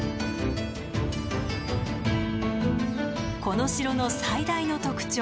この城の最大の特徴